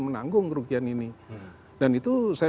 menanggung kerugian ini dan itu saya